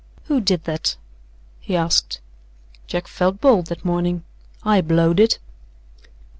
"Who did that?" he asked. Jack felt bold that morning. "I blowed it."